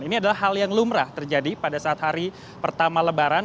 ini adalah hal yang lumrah terjadi pada saat hari pertama lebaran